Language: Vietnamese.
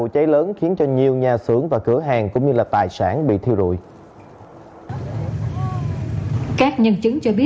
có em chỉ vài tháng tuổi